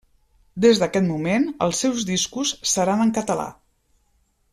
Des d'aquest moment els seus discos seran en català.